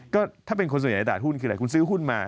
ก็ถ้าเป็นคนสูงใหญ่ในศาสตร์หุ้นคือคุณซื้อหุ้นมา